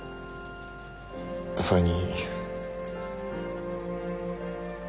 それに。